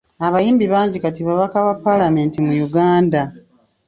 Abayimbi bangi kati babaka ba Paalamenti mu Uganda.